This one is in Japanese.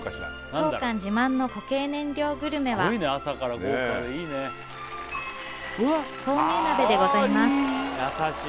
当館自慢の固形燃料グルメは豆乳鍋でございます